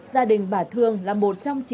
gia đình bà thương là một trong chín